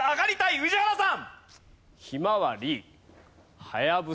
宇治原さん